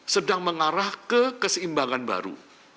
sedang mengarah ke keseimbangan baru